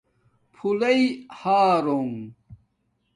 پھولݶئ ہݳرُنگ